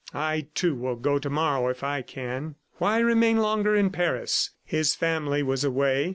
... I, too, will go tomorrow if I can." Why remain longer in Paris? His family was away.